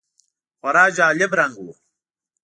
خورا جالب رنګ و .